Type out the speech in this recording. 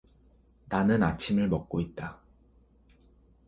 나는 아침을 먹고 있다.